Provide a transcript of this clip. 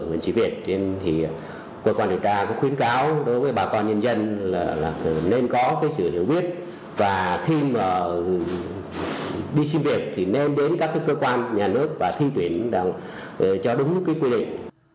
người việt thì cơ quan điều tra khuyến cáo đối với bà con nhân dân là nên có cái sự hiểu quyết và khi mà đi xin việc thì nên đến các cơ quan nhà nước và xin tuyển cho đúng cái quy định